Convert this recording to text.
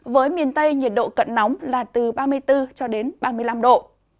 với miền tây nhiệt độ cận nóng là từ ba mươi bốn cho đến ba mươi năm độ